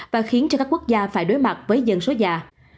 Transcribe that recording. và khiến cho các quốc gia phải đối mặt với dân số già